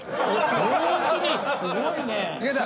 すごいね。